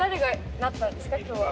今日は。